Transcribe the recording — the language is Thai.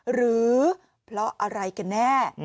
หรือเพราะอะไรกันแน่